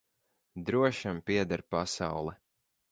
Drošam pieder pasaule.